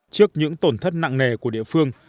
trước những tổn thất nặng nề của địa phương